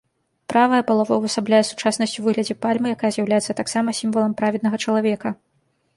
Правая палова ўвасабляе сучаснасць у выглядзе пальмы, якая з'яўляецца таксама сімвалам праведнага чалавека.